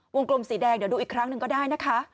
กลมสีแดงเดี๋ยวดูอีกครั้งหนึ่งก็ได้นะคะ